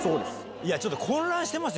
いや、ちょっと混乱してます